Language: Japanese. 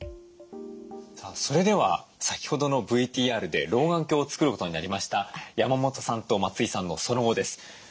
さあそれでは先ほどのＶＴＲで老眼鏡を作ることになりました山本さんと松井さんのその後です。